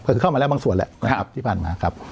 ก็คือเข้ามาแล้วบางส่วนแหละนะครับที่ผ่านมาครับ